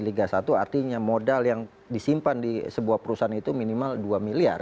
liga satu artinya modal yang disimpan di sebuah perusahaan itu minimal dua miliar